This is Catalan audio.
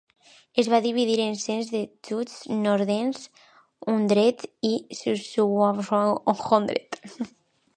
Es va dividir en cents de Tjust Northern Hundred i Tjust Southern Hundred.